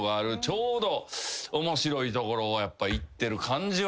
ちょうど面白いところをやっぱいってる感じはしますけどね。